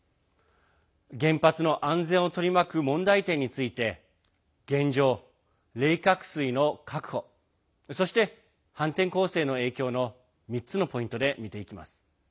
原発の安全を取り巻く問題点について現状、冷却水の確保そして、反転攻勢の影響の３つのポイントで見ていきます。